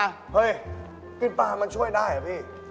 เฮ้ยกินปลามันช่วยได้เหรอพี่